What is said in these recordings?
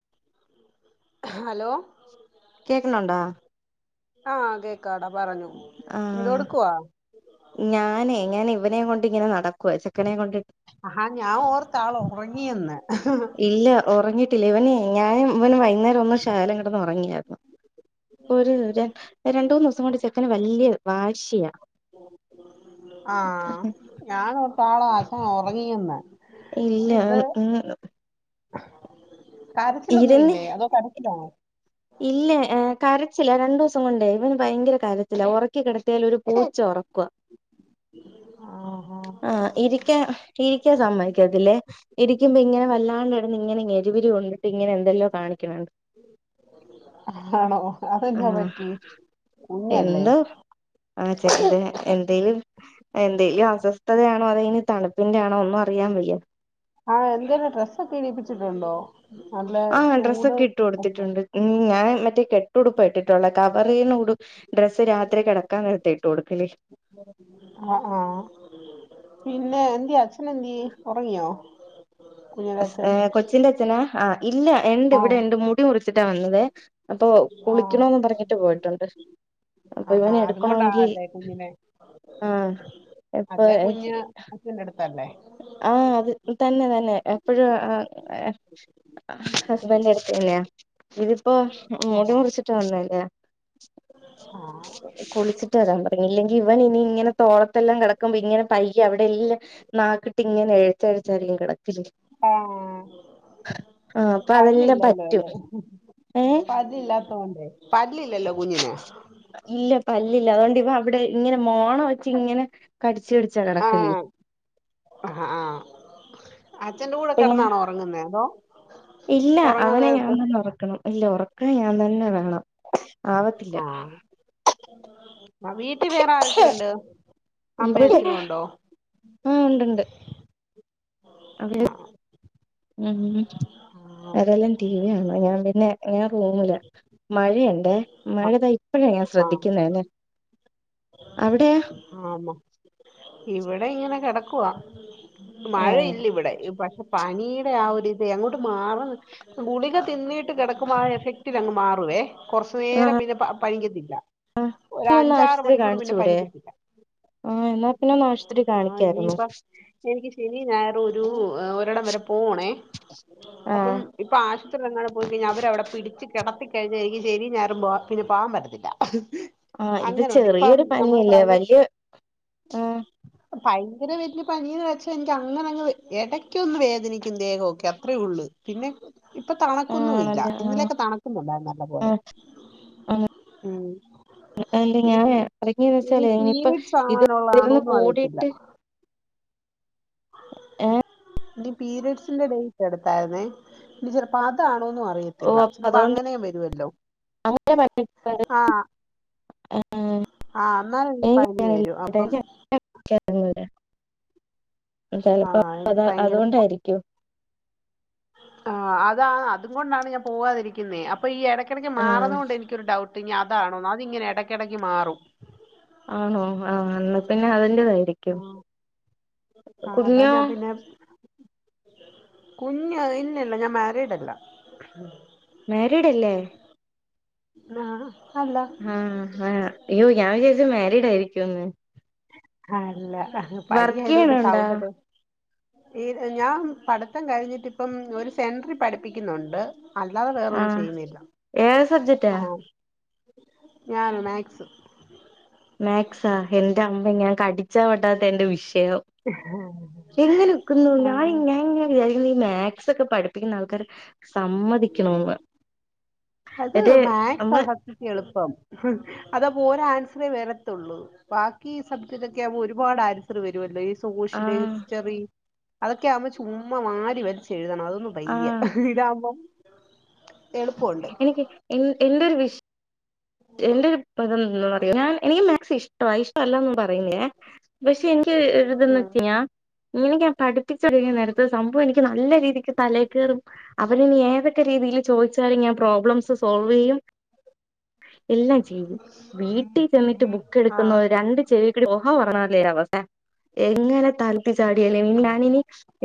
[unintelligible] കേക്കണ് ണ്ടാ ആ കേക്കാടാ പറഞ്ഞോ എന്തോ ആഹ് ടുക്കുവാ ഞാനേ ഞാൻ ഇവനേ കൊണ്ട് ഇങ്ങനെ നടക്കുവ ചെക്കനെ കൊണ്ട് ആഹാ ഞാൻ ഓർത്ത് ആൾ ഉറങ്ങിയന്ന് ഇല്ല ഉറങ്ങീട്ടില്ല ഇവന് ഞാനും ഇവനും വൈന്നേരം ഒന്ന് ശകലം കെടന്ന് ഉറങ്ങിയാര്ന്നു ഒര് ര രണ്ട്മൂന്ന് ദിവസം കൊണ്ട് ചെക്കന് വല്ല്യ വാശിയാ ആ ഞാൻ ഓർത്ത് ആള് ആശാൻ ഒറങ്ങിയെന്ന് ഇല്ല ഉം അ് ഇരുന്ന് കരച്ചിലൊന്നുവില്ലേ അതോ കടിച്ചിലാണോ? ഇല്ല ഏ കര ച്ചിലാ രണ്ടൂസം കൊണ്ടേ ഇവൻ ഭയങ്കര കരച്ചിലാ ഒറക്കിക്കിടത്തിയാല് ഒരു പൂച്ച ഒറ ആഹാ ആ ഇരിക്ക ഇരിക്കാ സമ്മതി [unintelligible] ഇരിക്കുമ്പിങ്ങനെ വല്ലാണ്ട് കെടന്നിങ്ങനെ ഞെരുവിരി കൊണ്ടിട്ടിങ്ങനെന്തെല്ലോ കാണിക്കണണ്ട് [inaudible] ആണോ അതെന്നാ ആഹ് പറ്റി കുഞ്ഞല്ലേ എന്ധോ ആ [unintelligible] എന്തേലും എന്തേലും അസ്വസ്ഥതയാണോ അതിനി തണുപ്പിന്റെയാണോ ഒന്നും അറിയാൻ വയ്യ ആഹ് എന്തേലും ഡ്രസ്സൊക്കെ ഇടീപ്പിച്ചിട്ടുണ്ടോ? നല്ല ആഹ് ചൂട് ഡ്രസ്സൊക്കെ ഇട്ട് ആഹ് കൊടുത്തിട്ടുണ്ട് ഊം ഞാൻ മറ്റേ കെട്ടുടുപ്പ ഇട്ടിട്ടുള്ളെ കവറീ [unintelligible] ഡ്രസ്സ് രാത്രി കെടക്കാൻ നേരത്താ ഇട്ട് കൊടുക്കല് ആഹ് പിന്നെ എന്ത്യേ അച്ഛനെന്ത്യേ ഉറങ്ങിയോ? കുഞ്ഞിന്റെ ഏ അച്ഛൻ കൊച്ചിന്റച്ഛനാ? അ ഇല്ല എണ്ട് ആഹ് ഇവിടെണ്ട് മുടി മുറിച്ചിട്ടാ വന്നത് അപ്പൊ ആഹ് കുളിക്കണോന്ന് പറഞ്ഞിട്ട് പോയിട്ടുണ്ട് അപ്പൊ ആഹാ ഇവനെ എടുക്കണെങ്കി അതുകൊണ്ടാണല്ലേ കുഞ്ഞിനെ ആഹ് അല്ലേ കുഞ്ഞ് എപ്പഹീ അച്ഛന്റെ അടുത്തല്ലേ ആ അത് തന്നെ തന്നെ എപ്പോഴും ഹസ്ബൻഡിന്റടുത്തിലേ ഇതിപ്പോ മുടി മുറിച്ചിട്ട് വന്നല്ലേ ഹ കുളിച്ചിട്ട് വരാൻ പറഞ്ഞു ഇല്ലെങ്കിൽ ഇവനിനിയിങ്ങനെ തോളത്തെല്ലാം കെടക്കുമ്പിങ്ങനെ പയ്യെ അവിടെയെല്ലാം നാക്കിട്ടിങ്ങനെ എഴച്ചഴച്ചായിരിക്കും കെടക്കല് ആഹ് ആ അപ്പൊതെല്ലാം പല്ലില്ലല്ലോ പറ്റും അല്ലേ ഏ പല്ലില്ലാത്തോണ്ടേ പല്ലില്ലല്ലോ കുഞ്ഞിന്? ഇല്ല പല്ലില്ല അതോണ്ടിവൻ അവിടെ ഇങ്ങനെ മോണ വെച്ച് ഇങ്ങനെ കടിച്ച് പിടിച്ചാ കെടക്കല് ആഹ് ആഹ് ആഹ് അച്ഛന്റെ കൂടെ കിടന്നാണോ ഉറങ്ങുന്നുന്നത് അതോ? ഇല്ല ഉറങ്ങാൻ അവനെ ഞാൻ നേരത്ത് തന്നെ ഉറക്കണം ഇല്ല ഉറക്കാൻ ഞാൻ തന്നെ വേണം ആവത്തില്ല അ വീട്ടി വേറാരൊക്കെയുണ്ട് ഇവിടെ ആ ഉണ്ടുണ്ട് ആ ഊം അതല്ലാം ടി വിയാണ്ഞാൻപിനെന ഞാൻ റൂമിലപോവ്ന്നിമഴയിണ്ടേ മഴ താ ഇപ്പഴാ ഞാൻ ആഹ് ശ്രദ്ധിക്കുന്നേ ന്നെ അവിടെ? ആമ ഇവിടെ ഇങ്ങനെ കെടക്കവാ ഏ മഴയില്ലിവിടെ പനീടെ ആ ഒരിതേ അങ്ങോട്ട് മാറ്ണ് ഗുളിക ആ തിന്നീട്ട് കിടക്കുമ്പോൾ ആ എഫക്റ്റിൽ അങ്ങ് മാ റുവേ കുറച്ചു നേരം പിന്നെ പ പനിക്കത്തില്ല ഒരഞ്ചാറ് മണിക്കൂർ പിന്നെ പനിക്കത്തില്ല ആ എന്നാ പിന്നെ ഒന്നാശുപത്രി ആഹ് കാണിക്കായിര്ന്നു. ഇനിയിപ്പ എനിക്ക് ശനി, ഞായറു ഒരു ഒരെടം വരെ പോകണേ അപ്പം ആഹ് ഇപ്പൊ ആശുപത്രിയിലെങ്ങാനും പോയി കഴിഞ്ഞാൽ അവരവിടെ പിടിച്ച് കെട കടത്തിക്കഴിഞ്ഞ എനിക്ക് ശനി ഞായറും പോവാൻ പറ്റത്തില്ല ആ ഇത് അങ്ങനുണ്ട് ഇപ്പം ചെറിയൊരു നമ്മള് പനിയല്ലേ? പ്രൈവറ്റ് വലിയ ആ അങ്ങനെ വല്യ പനീന്ന് വെച്ചാ എനിക്ക് അങ്ങനങ്ങ് എടക്കൊന്ന് വേദനിക്കും ദേഹൊക്കെ അത്രേ ഉള്ളു പിന്നെ ഇപ്പ ആഹ് തണക്കുന്നു ഇല്ല ആണല്ലേ ഇന്നലെയൊക്കെ തണക്കുന്നുണ്ടാര്ന്നു നല്ല പോലെ ആ ഉം [inaudible] അല്ല ഇനി ഞാന പി ഇറങ്ങിയന്ന് ഇനി വെച്ചേ ഇപ്പൊ പീരിയഡ്സ് ഇത് ഇരുന്ന് ആവാനുള്ളതാണോന്നും അറിയത്തില്ല കൂടിട്ട് ഏ ഇ പീരയഡ്സിന്റെ ഡേറ്റ് എടുത്തായിുന്നേ ഇനി ചിലപ്പോ അതാണ് ന്ന ഓ അറിയത്തില്ല അപ്പൊ ചിലപ്പോ അതുകൊണ്ട് അങ്ങന വരുവല്ലോ അങ്ങനെ ആ ആഹ എന്നാല എനിക്ക് പനി വരും അപ്പം ആഹ ചിലപ്പോ അത് എനിക്ക് ഭയങ്കര പ്പ അതുകൊണ്ടായിരിക്കും ആഹ അത അതുകൊണ്ടാണ് ഞാൻ പോകാതിരിക്കുന്നത് അപ്പൊ ഈ ഇടയ്ക്കിടയ്ക്ക് ആഹ് മാറുന്നകൊണ്ട് എനിക്കൊരു ഡൗട്ട് അതാണോ അതിങ്ങനെ ഇടക്കിടക്ക് മാറും ആണോ ആന്നാ പിന്നെ അതി തായിരിക്കും ആഹ് അതാ കുഞ്ഞോ ഞാൻ പിന്നെ കുഞ്ഞ് ഇലല്ല ഞാൻ മാരിഡല്ല മരിഡല്ലേ ആഹ ആഹ ആഹ അയ്യോ ഞാൻ വിചാരിച്ചു മാരിഡ് ആയിരിക്കുംന്ന് ആല്ല വർക്ക് പനിയതൊണ്ട് ചെയ്യണുണ്ടോ സൗണ്ടൊക്കെ ഈ ഞാൻ പഠിത്തം കഴിഞ്ഞിട്ടിപ്പം ഒരു സെൻടറി പഠിപ്പിക്കുന്നുണ്ട് അല്ലാതെ വേറൊന്നും ആഹ് ചെയ്യുന്നില്ല ഏത് സബ്ജക്റ്റാ ആഹ ഞാന മാക്സ് മാക്സാ എന്റെ അമ്മ ഞാൻ കടിച്ചാ പോട്ടാത്തെ എന്റെ വിഷ [unintelligible] എങ്ങനൊക്കുന്നു ഞാന് ആഹ് ഞാൻ ഇങ്ങനെ വിചാരിക്കും ഈ മാത്സൊക്കെ പഠ് പ്പിക്കുന്ന ആൾക്കര് സമ്മതിക്കണോന്ന് അത് ഇത് മാക്സ നമ്മള് സത്യത്തി എളുപ്പം. അതപ്പോ ഓരോ ആൻസറേ വരത്തോളൂ ബാക്കി സബ്ജക്റ്റൊക്കെ ആകുമ്പോ ഒരുപാട് ആൻസറ് വരുവല്ലോ? സോഷ്യൽ ആഹ് ഹിസ്റ്ററി അതൊക്കെ ആവുമ്പോ ചുമ്മ വാരി വലിച്ച് എഴുതണം അതൊന്നന്ന് വയ്യ. ആഹ് ഇതാവുമ്പോ എനിക്ക് എ എന്തൊരു വിഷ എന്റെ [unintelligible] ഞാൻ എനിക്ക് മാക്സ് ഇഷ്ട ഇഷ്ടല്ലന്ന് പറയുന്നില്ലേ പക്ഷെ എ ക്ക് ഒര്ത്ന്ന് ഉം [unintelligible] ഇങ്ങനെക്ക ഞാൻ പഠിപ്പിച്ച തരണ നേരത്ത സംഭവം എനിക്ക് നല്ല രീതിക്ക് തലേ കേറും അവര്നി ഏതൊക്കെ രീ തില് ചോദിച്ചാ ഞാ പ്രോബ്ലംസ് സോൾവെയ്യും എല്ലാം ചെയ്യും വീട്ടിൽ ചെന്നിട്ട് ബുക്ക് എടുക്കുന്ന ആഹ് രണ്ട് ചെറിയ ഓ ഒറങ്ങ ക്ലിയറ പക്ഷെ എങ്ങനെ തലത്തി ചാടിയല്ലേ ഞാനിനി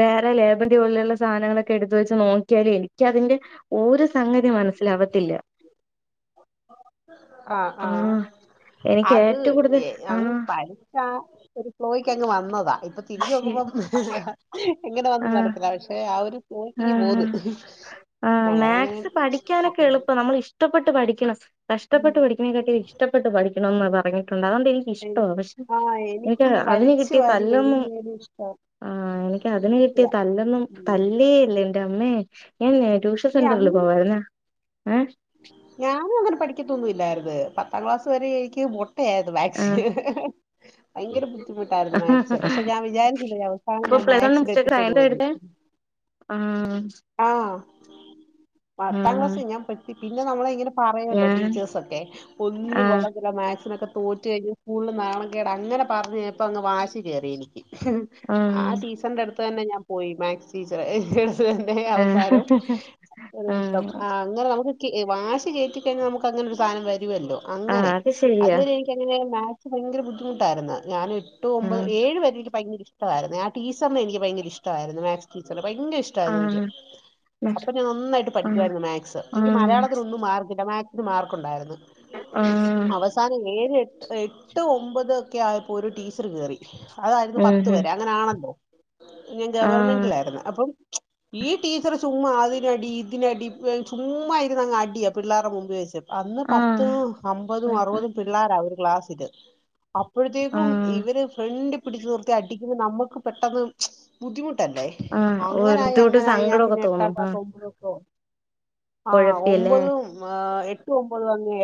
വേറെ ലേബറിൻഡിയ പോലുള്ള സാധനങ്ങളൊക്കെ എടുത്ത് വെച്ച് നോ ക്കിയാലും എനിക്ക് അതിന്റെ ഒരു സംഗതിയും മനസ്സിലാവത്തില്ല. ആ ആ ആഹ് എനിക്ക് അത് ഏറ്റവും കൂടുതൽ അങ്ങ് ആഹ് പഠിച്ച ഒരു ഫ്ലോയിക്ക് അങ്ങ് വന്നതാ ഇപ്പ തിരി പക്ഷേ നോക്കുമ്പം എങ്ങനെ വന്നു ആഹ് നറത്തില്ല പക്ഷെ ആ ഒരു നോക്കി ഇങ്ങു പോന്ന് നമ്മളങ്ങനെ മാത്‍സ് പഠിക്കാനൊക്കെ എളുപ്പം നമ്മള് ഇഷ്ടപ്പെട്ട് പഠിക്കണം ഉം കഷ്ടപ്പെട്ട്ഠിക്കതിനെക്കാട്ടി ഇഷ്ടപ്പെട്ട് പഠിക്കണന്ന് പറഞ്ഞിട്ടുണ്ട് അതുകൊണ്ട് എനിക്കിഷ്ട എനി പക്ഷെ എനിക്ക് അത് വലിച്ചു വാരി എഴുന്നരും ഇഷ്ട ആ എനിക്ക് അതിന് കിട്ടിയ തല്ലൊന്നും തല്ലേയല്ല എന്റെ അമ്മേ ഞാനില്ലേ ട്യൂഷൻ ഈ സെന്ററിൽ അന്ന് പോവായി ര്ന്നു ഞാനും അങ്ങനെ പഠിക്കത്തൊന്നുംല്ലായിരുന്നു പത്താം ക്ലാസ് വരെ എനിക്ക് മോ ട്ടയായിരുന്നു ആഹ് മാക്സില് ഭയങ്കര ബുദ്ധിമുട്ടായിരുന്നു മാത്‍സ് പക്ഷെ ഞാൻ വിചാരിച്ചില്ല അവസാനം ഞാൻ മാത്‍സ്സിൽ എത്തിപ്പെടു വെന്ന് ആ ആഹ് പത്താം ആഹ് ക്ലാസ് ഞാൻ പെട്ട് പിന്നെ നമ്മള് ഇങ്ങനെ പറയല്ലോ ഞാൻ ടീച്ചേഴ്സൊക്കെ ഒന്നിനും ആഹ് കൊള്ളത്തില്ല മാത്‍സ്സിനൊക്കെ തോറ്റു കഴിഞ്ഞ് സ്കൂളില് നാണ കേടാ അങ്ങനെ പറഞ്ഞ്പ്പ അങ്ങ് വാശി കയറീ നി ആ ആഹ് ടീച്ചറിന്റെ അടുത്ത് തന്നെ ഞാൻ പോയി മാക്സ് ടീച്ചറെ ആഹ് അവസാനം [inaudible] ആഹ് അങ്ങനെ നമുക്ക് ക്ക് വാശി കേറ്റി കഴിഞ്ഞാൽ നമുക്ക് ക്ക് അങ്ങനെ ഒരു സാധനം വരുമല്ലോ ആഹ് അങ്ങനെ അത് ശരിയാ അതുവരെ എനിക്കങ്ങനെ മാ ക്സ്‌ ഭയങ്കര ബുദ്ധിമുട്ടായിരുന്നു ഞാൻ എട്ട് ഒമ്പത് ആഹ് ഏഴ് വരേക്കെ ഭയ്ങ്ക ഇഷ്ടമായിരുന്നു ആ ടീച്ചറിനെ എനിക്ക് ഭയങ്കര ഇഷ്ടമായിരുന്നു മാത്‍സ് ടീച്ചറ് ഭയ്ങ്കര ഇഷ്ടമായിരുന്നു എനിക്ക് ആഹ് ആഹ് അപ്പൊ ഞാനന്നായിട്ട് ആഹ് പഠിക്കുവായിരുന്നു മാത്‍സ് എനിക്ക് മലയാളത്തിനൊന്നും മാർക്കില്ല മാത്‍സിന് മാർക്ക് ഉണ്ടായിരുന്നു ആഹ് ആവസാന ഏഴ് എ ട്ട് എട്ട് ഒമ്പത് ഒക്കെ ആയപ്പോ ഒരു ടീച്ചറ് കയറി അതായിരുന്നു ഉം പത്ത് ഹും വരെ അങ്ങനെ ആണല്ലോ ഞാൻ ആഹ് ഗവൺമെന്റിലായിരുന്നു അപ്പം ഈ ടീച്ചറ് ചുമ്മാ അതിനടി ഇതിനടി ചുമ്മായിരുന്നു അങ്ങ് അടിയാ പിള്ളാരുടെ മുമ്പി വെച്ച് അന്ന് ആഹ് പത്തും അമ്പതും അറുപതും പിള്ളാരാ ഒരു ക്ലാസ്സില് അപ്പോഴത്തേക്കും ആഹ് ഇവര് ഫ്രണ്ടി പിടിച്ചു നിർത്തി അടിക്കുമ്പോൾ നമുക്ക് പെട്ടെന്ന് ബുദ്ധിമു ട്ടല്ലേ ആഹ് ഒരു അങ്ങനായി ബുദ്ധിമുട്ട് അങ്ങനായി ഞാൻ സങ്കടൊക്കെ പിന്നെ എട്ടാം തോന്നും ക്ലാസ് ആഹ് ഒമ്പത് ആ കൊഴപ്പിയല്ലേ ഒമ്പതും ആ എ ട്ടും ഒമ്പതും അങ്ങ്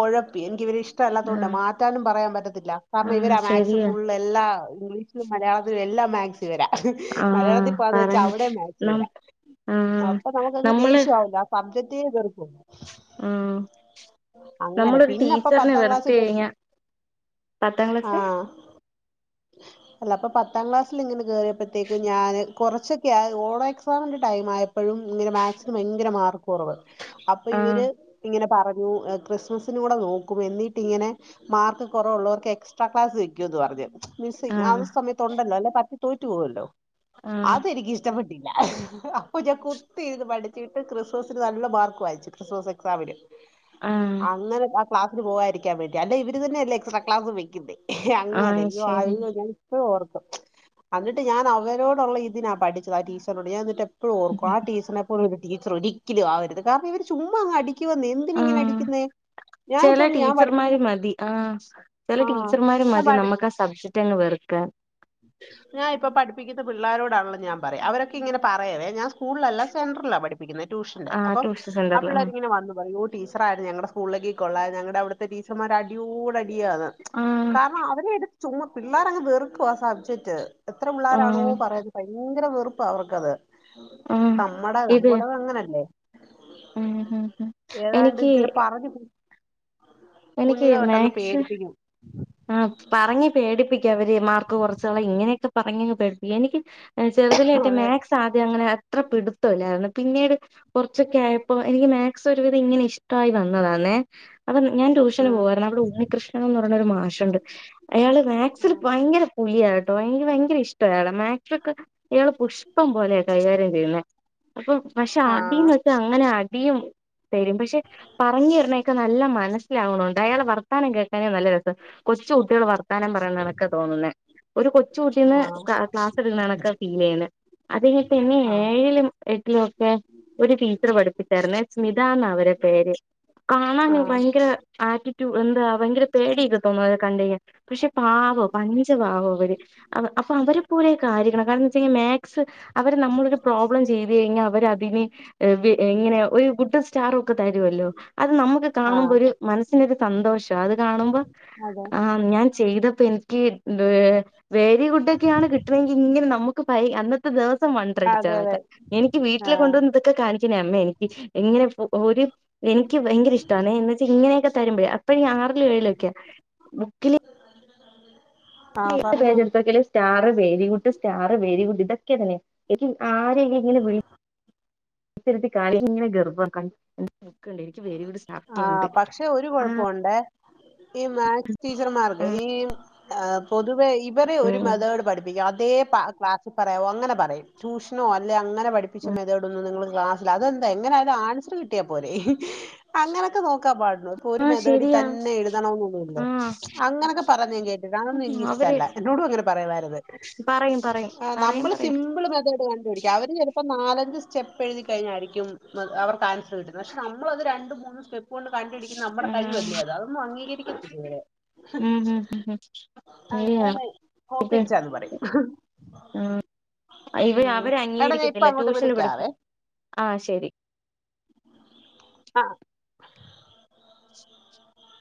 ഒഴപ്പി എനിക്ക് ഇവരെ ഇഷ് ഷ്ടല്ലാത്തൊണ്ട് ആഹ് മാറ്റാനും പറയാൻ പറ്റത്തില്ല കാരണം ആഹ് ഇവര മാത്‍സ് ശരിയാ ഫുള്ള് എല്ലാ ഇംഗ്ലീഷിലും മലയാളത്തിലും എല്ലാം മാത്‍സ് ഇവരാ ആഹ് മലയാളത്തിൽപ്പാന്ന് വെച്ചാ പറയണ്ട അവിടെ മാത് നം ചിവരാ ആഹ് അപ്പൊ നമുക്കങ്ങ് ദേഷ്യവുവല്ല ആ സബ്ജെക്ട്ടേ വെറ് ഉം അങ്ങനെ നമ്മളൊരു പിന്നെ അപ്പൊ ടീച്ചറിനെ പത്താം ക്ലാസ്സിൽ കേറി വെറുത്തെഴിഞ്ഞാ ആ പത്താംക്ലാസേ അല്ല അപ്പൊ പത്താം ക്ലാസ്സിലിങ്ങനെ കേ റിയപ്പത്തേക്ക് ഞാന് കുറച്ചൊക്കെയായ് ഓളെ എക്സാമിന്റെ ടൈമായപ്പോഴും ഇങ്ങനെ മാക്സിന് ഭയ്ങ്കര മാർക്കും കുറവ് അപ്പൊ ആഹ് ഇവര് ഇങ്ങനെ പറ ഞ്ഞു ക്രിസ്മസിന് കൂടെ നോക്കും എന്നിട്ടിങ്ങനെ മാർക്ക് കുറവുള്ളോവർക്ക് എക്സ്ട്രാ ക്ലാസ് വയ്ക്കൂ ന്ന് പറഞ്ഞു മിസ്സിങ്ങ് ആ ആഹ് സമയത്തുണ്ടല്ലോ അല്ല പത്തി തോറ്റു പോവല്ലോ ആഹ് അതെനിക്ക് ഇഷ്ടപ്പെട്ടി ല്ല അപ്പൊ ഞാൻ കുത്തി ഇരുന്ന് പഠിച്ചിട്ട് ക്രിസ്മസിന് നല്ല മാർക്ക് വാങ്ങിച്ചു ക്രിസ്മസ് എക്സാമിന് ആഹ് അങ്ങനെ ആ ക്ലാസ്സിൽ പോവായിരിക്കാൻ വേണ്ടി അല്ലേ ഇവര് തന്നെയല്ലേ എക്സ്ട്രാ ക്ലാസ് വെ ക്ക്ന്നേ ആഹ് അങ്ങനയ്യോ ശരി അയ്യോ ഞാൻ പ്പഴും ഓർക്കും എന്നിട്ട് ഞാൻ അവരോടുള്ള ഇതിനാ പഠിച്ചത് ആ ടീച്ചറിനോട് ഞായെന്നിട്ട്എപ്പ ഇപ്പഴും ഓർക്കും ആ ടീച്ചറിനെ ഴും ഓർക്കും ആ ടീച്ചറെ പോലുള്ള ഒരു ടീച്ചർ ഒരിക്കലും ആവരുത് കാരണം ഇവര് ചുമ്മാ അങ്ങടി ക്കുവാ ന്നേ എന്തിനിങ്ങനെ ആഹ് അടിക്കുന്നേ ഞാൻ ചെല ഇപ്പം ഞാൻ പഠിപ്പിക്കുന്ന ടീച്ചർമാര് മതി ആ ചില ആ ടീച്ചർമാര് ഞാൻ മതി നമുക്ക് ആ സബ്ജക്ട് അങ്ങ് വെറ് ക്കാൻ ഞായിപ്പൊ പഠിപ്പ് പ്പിക്കുന്ന പിള്ളരോടാണല് ഞാൻ പറയാം അവരക്കെ ഇങ്ങനെ പറയുവേ സ്കൂളിലല്ലാ സെന്ററിലാ പഠിപ്പി - പ്പിക്കുന്നേ ട്യൂഷ്ന്റെ ആഹ് അപ്പം ട്യൂഷൻ ആ സെന്ററിൽ ആഹ് പിള്ളാരിങ്ങന വന്നു പറയും ഒ ടീച്ചറായിരുന്നു ഞങ്ങടെ സ്കൂളി ളലേക്ക് കൊള്ളാരുന്ന് ഞങ്ങടെ അവിടുത്തെ ടീച്ചർമാര് അടിയോടടി ടിയാന്ന് ആഹ് കാരണം അവരെ എടുത്ത് ചുമ്മാ പിള്ളാരങ്ങ് വെറുക്കവാ ആ സബ്ജെക്ട് എത്ര പിള്ളാരാണോ ആഹ് പറയത് ഭയ്ങ്കര വെറുപ്പാ അവർക്കത് ആഹ് നമ്മടെ ഇത് നമ്മള് അങ്ങനെല്ലേ ഉം ഉം ഉം ഏതാണ്ട് എനിക്ക് ഇങ്ങനെ പറഞ്ഞു എനിക്ക് മാത്‍സ് പേടിപ്പിക്കും ആ പറഞ്ഞി പേടിപ്പിക്കാവര് മാർക്ക് കുറച്ചു കളയും ഇങ്ങനെയൊക്കെ പറഞ്ഞ ങ്ങ് പേടിപ്പിക്ക എനിക്ക് ചെറുതിലോട്ടെ അതെ മാത്‍സ് ആദ്യം അങ്ങനെ അത്ര പിടുത്തമില്ലാരുന്നു പിന്നീട്കൊറ ച്ചൊക്കെ ആയപ്പോ എനിക്ക് മാത്‍സ് ഒരുവിധം ഇങ്ങനെ ഇഷ്ടായി വന്നതാന്നേ അപ്പം ഞാൻ ട്യൂഷന് ഉം പോവാരുന്നു അവിടെ ഉണികൃഷണനെന്ന് പറയണൊരു മാഷ് ണ്ട് അയാള് മാക്സിൽ ആഹ് ഭയങ്കര പുലിയാട്ടോ എനിക്ക് ഭയ്ങ്കര ഇഷ്ടാ അയാളെ മാട്രിക്ക് അ യാള് പുഷ്പം പോലെയ കൈകാര്യം ചെയ്യുന്നേ അപ്പൊ പക്ഷെ ആഹ് അടീന്ന് വെച്ചാ അങ്ങനഅടിയും തരും പക്ഷെ പറഞ്ഞു തരണതൊ ക്കെ ക്കെ നല്ല മനസ്സിലാവണണ്ട് അയാൾ വർത്താനം കേൽ - എ നല്ല രസം കൊച്ചു കുട്ടികൾ വർത്താനം പറയുന്നാണക്ക തോന്നുന്നുന്നത് ഒരു കൊച്ച കൂട്ടീന്ന് ക്ലാസ് എടുക്കണാണ്ക്കെ പിന്നെണ് ഫീൽ ചെയ്യുന്നത് അത് പിന്നെ ആഹ് ഏഴിലും എട്ടിലും ഒക്കെ ഒരു ടീച്ചർ പഠിപ്പിച്ചാ രുന്നെ സ്മിതന്ന അവരുടെ പേര് കാണാന് ആഹ് ഭയങ്കര ആറ്റിറ്റ്യൂ് എന്താ ഭയങ്കര പേടിക്കെ [unintelligible] കണ്ടു കഴിഞ്ഞ പക്ഷെ പാവമാ പഞ്ചപാവമാ അവര് അവരെ പോലെ കാര്യണം കാരണം വെച്ച് ഒര് പോലെ കാര്യങ്ങള് കാരണം എന്താന്നുവച്ചുകഴിഞ്ഞാൽ മാത്സ് അവരെ നമ്മളൊരു പ്രോബ്ലം ചെയ്ത്കഴിഞ്ഞാൽ കഴിഞ്ഞാൽ അവരതിനെ ഇങ്ങനെ ഒരു ഗുഡ് സ്റ്റാർ ഒക്കെ തരുവല്ലോ അത് നമുക്ക് ആഹ് കാണുമ്പോ ഒരു മനസ്സിന് ഒരു സന്തോഷം അത് കാണു - അതെ ആ ഞാൻ ചെയ്തപ്പോ എനിക്ക്യന്തവേ വെരിഗുഡ് ഒക്കെയാണ് കിട്ടണെങ്കിൽ ഇങ്ങനെ നമുക്ക് പൈ അന്നത്തെ ദിവസം അതെ അതെ വണ്ടർടിച്ചണക്കാ എനിക്ക് വീട്ടില് [unintelligible] ട്ടില് കൊണ്ട് ആഹ് വന്ന് ഇതൊക്കെ കാണിക്കാ [unintelligible] ണിന്റെ അന്ന് എനിക്ക് ഭയങ്കര ഇഷ്ട്ടാണെ ഇങ്ങനെയൊക്കെ തരുമ്പഴ് അപ്പഴ് ഞാ [unintelligible] ൻ ആറിലും എഴുല് മൊക്കെയാ ബുക്കില് [inaudible] തന്ന തന്ന അതില് എത് പേജെടുത്ത് നോ ക്കിയാലും star very good star very good ഇതൊക്കെ തന്നെയെ [unintelligible] എനിക്ക് ആരേലുംഇങ്ങനെ വിളിച്ചിരുത്തികാണിക്കാൻ [unintelligible] നിക്കുണ്ട് വെരിഗുഡ് ഉണ്ട്‌ ആഹ് പക്ഷെ ഒരു കുഴപ്പമുണ്ടേ ഈ മാത്സ് ടീച്ചർമാർക്ക് ഈ പൊതുവെ ഇവരെ ഒരു ഉം മെതേഡ് പഠിപ്പിക്കും അത് അതേ ക്ലാസ്സിൽ പറയാോ അങ്ങനെ പറയും ട്യൂഷനോ അല്ലെ അങ്ങനെ പഠിപ്പിച്ച മതോടൊന്ന നിങ്ങൾ ക്ലാ അതെന്താ എങ്ങനെ ആത് ആൻസർ കിട്ടിയാ പോരെ അങ്ങനെയൊക്കെ നോക്കാൻ പാട ഇപ്പൊ ഒരു ആഹ് മെതേടി ശരിയാ തന്നെ എഴുതണ അത് പ്പൊ ഒരു മേതേടിതന്നെ എഴുതണമെന്നില്ലല്ലോ ആഹ് അങ്ങനെയൊക്കെ പറഞ്ഞ ഞാൻകേട്ടിട്ട് അതൊന്നും അവര് എനക്ക്ഇഷ്ട്ടമല്ല എന്നട അങ്ങനെ പറയമായിരത്് പറയും പറയും പറയും നമ്മള് പറയും സിപിൾ മെതേഡ് കണ്ടുപിടിക്ക അവര് ച ഇപ്പൊ നാലഞ്ച് സ്റ്റെപ്പ് എഴുതി കഴിഞ്ഞായിരിക്കും അവർ കാൻസൽ കിട്ടുന്നത്ക്ഷ അത് രണ്ട മൂന്നും സ്റ്റെപ്പ് കൊണ്ട് കണ്ടിടുന്ന നമ്മുടെ ആ കഴിവല്ലേ അത് അതൊന്നും അംഗീകരിക്കുന്നില്ല ഇവരെ ഉം ഉം ഇല്ല അങ്ങനെ ഇത് കോപ്പിടിച്ചന്ന് പറയും ആ ഇവ ഉം അവര് എട ഞാൻ ഇപ്പ അംഗീകരിക്കത്തില്ല അങ്ങോട്ട് ട്യൂഷന് പഠിപ്പി വിളിക്കാവേ ആ ശരി ആഹ [unintelligible]